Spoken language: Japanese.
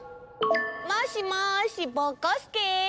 もしもしぼこすけ？